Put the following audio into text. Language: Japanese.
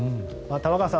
玉川さん